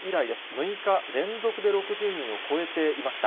６日連続で６０人を超えていました。